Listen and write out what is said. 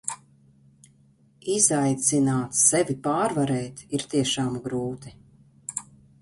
Izaicināt sevi pārvarēt ir tiešām grūti.